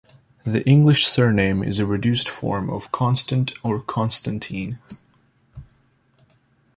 The English surname is a reduced form of "Constant" or "Constantine".